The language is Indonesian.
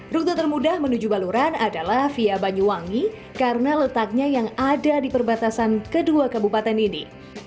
rute termudah menuju baluran adalah via banyuwangi karena letaknya yang ada di perbatasan kedua kabupaten ini